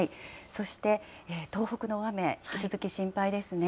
そして、東北の雨、引き続き心配ですね。